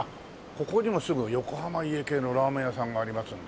ここにもすぐ横浜家系のラーメン屋さんがありますんで。